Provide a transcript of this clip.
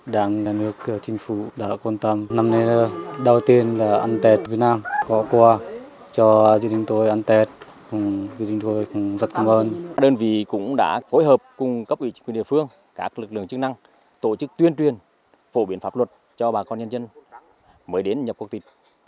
đơn vị cũng đã phối hợp cùng cấp ủy chính quyền địa phương các lực lượng chức năng tổ chức tuyên truyền phổ biến pháp luật cho bà con nhân dân mới đến nhập quốc tịch